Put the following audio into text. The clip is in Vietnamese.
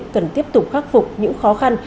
cần tiếp tục khắc phục những khó khăn